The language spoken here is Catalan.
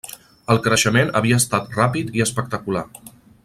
El creixement havia estat ràpid i espectacular.